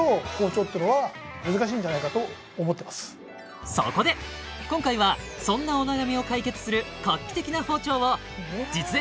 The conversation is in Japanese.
はいそこで今回はそんなお悩みを解決する画期的な包丁を実演